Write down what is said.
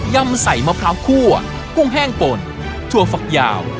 ำใส่มะพร้าวคั่วกุ้งแห้งป่นถั่วฝักยาว